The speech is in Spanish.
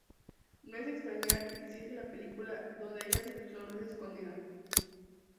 No es de extrañar que hiciese la película "¿Dónde yace tu sonrisa escondida?